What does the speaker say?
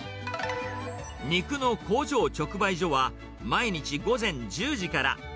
肉の工場直売所は、毎日午前１０時から。